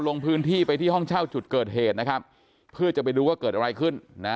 ลงพื้นที่ไปที่ห้องเช่าจุดเกิดเหตุนะครับเพื่อจะไปดูว่าเกิดอะไรขึ้นนะ